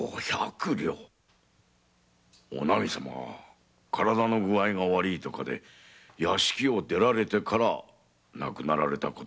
お波様は体の具合が悪いとかで屋敷を出られてから亡くなられた事ですし。